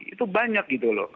itu banyak gitu loh